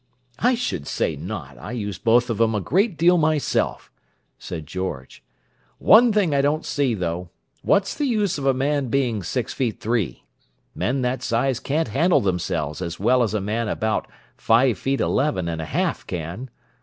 "I should say not! I use both of 'em a great deal myself," said George. "One thing I don't see though: What's the use of a man being six feet three? Men that size can't handle themselves as well as a man about five feet eleven and a half can.